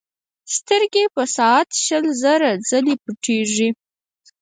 سترګې په ساعت شل زره ځلې پټېږي.